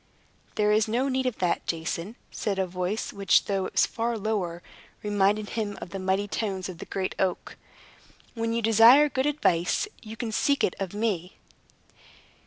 "There is no need of that, Jason," said a voice which, though it was far lower, reminded him of the mighty tones of the great oak. "When you desire good advice, you can seek it of me."